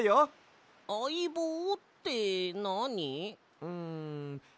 あいぼうってなに？